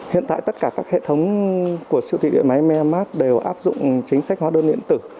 hiện tại tất cả các hệ thống của siêu thị điện máy mem mát đều áp dụng chính sách hóa đơn điện tử